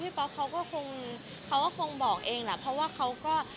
พี่ป๊อกที่บอกว่า